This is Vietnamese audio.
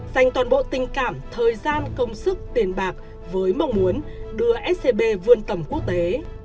dành toàn bộ tình cảm thời gian công sức tiền bạc với mong muốn đưa scb vươn tầm quốc tế